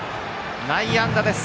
内野安打です。